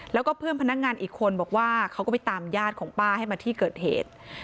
แล้วก็เพื่อนพนักงานอีกคนบอกว่าเขาก็ไปตามญาติของป้าให้มาที่เกิดเหตุ